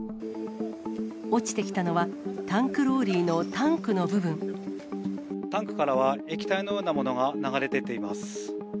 落ちてきたのは、タンクからは液体のようなものが流れ出ています。